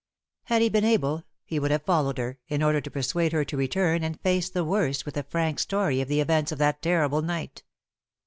Had he been able he would have followed her, in order to persuade her to return and face the worst with a frank story of the events of that terrible night.